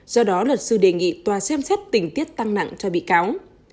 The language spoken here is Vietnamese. do đó luật sư đề nghị tòa xem xét tình tiết tăng nặng cho bị cáo